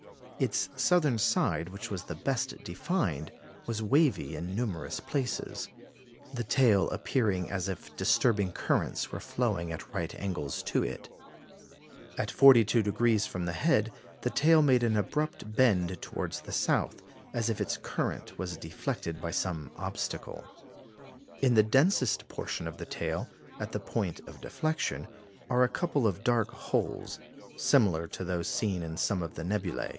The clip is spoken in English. Its southern side, which was the best defined, was wavy in numerous places, the tail appearing as if disturbing currents were flowing at right angles to it. At 42° from the head the tail made an abrupt bend towards the south, as if its current was deflected by some obstacle. In the densest portion of the tail, at the point of deflection, are a couple of dark holes, similar to those seen in some of the nebulæ.